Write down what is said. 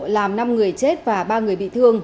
làm năm người chết và ba người bị thương